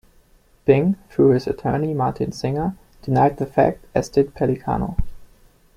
Bing, through his attorney Martin Singer, denied the fact, as did Pellicano.